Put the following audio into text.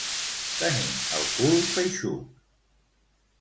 Tenir el cul feixuc.